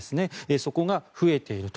そこが増えていると。